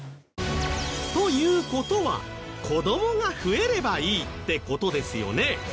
という事は子どもが増えればいいって事ですよね。